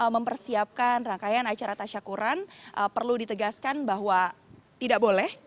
mempersiapkan rangkaian acara tasyakuran perlu ditegaskan bahwa tidak boleh